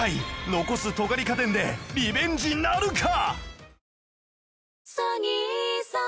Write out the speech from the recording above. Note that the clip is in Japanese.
残す尖り家電でリベンジなるか！？